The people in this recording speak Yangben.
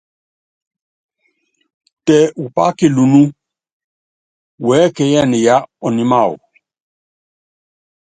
Tɛ upá kilunú, uɛ́kɛ́yɛnɛ yá ɔními wawɔ.